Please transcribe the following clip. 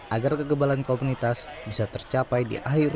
agar kegebalan komunitas bisa tercapai di akhir dua ribu dua puluh satu